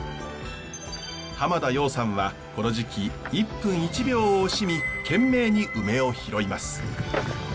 濱田洋さんはこの時期１分１秒を惜しみ懸命にウメを拾います。